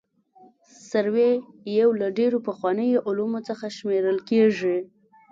سروې یو له ډېرو پخوانیو علومو څخه شمېرل کیږي